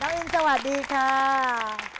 น้องอินนอีนสวัสดีครับ